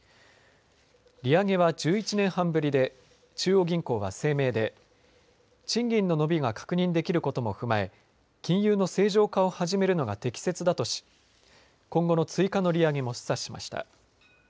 利上げは１１年半ぶりで中央銀行は声明で賃金の伸びが確認できることも踏まえ金融の正常化を始めるのが適切だとし今後の追加の利上げも示唆しました。